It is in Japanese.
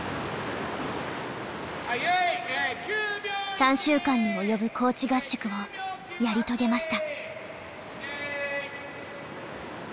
３週間に及ぶ高地合宿をやり遂げました。